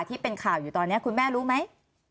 ที่เป็นข่าวอยู่ตอนนี้คุณแม่รู้ไหม